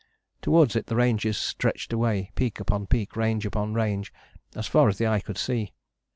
Towards it the ranges stretched away, peak upon peak, range upon range, as far as the eye could see.